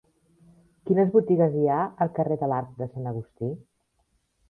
Quines botigues hi ha al carrer de l'Arc de Sant Agustí?